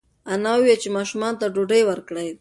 انا وویل چې ماشوم ته ډوډۍ ورکړئ.